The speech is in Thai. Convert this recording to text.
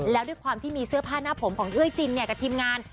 แล้วด้วยความที่มีเสื้อผ้าหน้าผมของเอ้ยจินกับทีมงาน